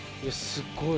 すごい！